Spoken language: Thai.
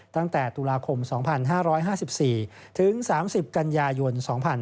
ตั้งแต่ตุลาคม๒๕๕๔ถึง๓๐กันยายน๒๕๕๙